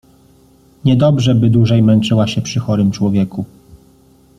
Niedobrze, by dłużej męczyła się przy chorym człowieku.